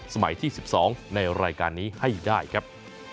ที่๑๒ในรายการนี้ให้ได้ครับ